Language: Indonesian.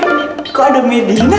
kok ada medina